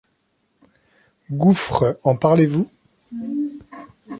Gouffres, en parlez-vous ?